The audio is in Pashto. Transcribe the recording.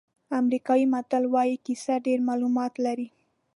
امریکایي متل وایي کیسه ډېر معلومات لري.